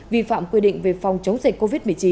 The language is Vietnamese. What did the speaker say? vi phạm quy định về phòng chống dịch covid một mươi chín